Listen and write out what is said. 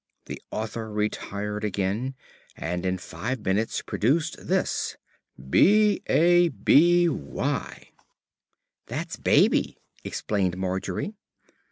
The author retired again, and in five minutes produced this: B A B Y "That's 'baby,'" explained Margery.